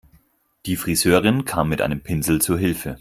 Die Friseurin kam mit einem Pinsel zu Hilfe.